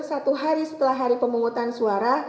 satu hari setelah hari pemungutan suara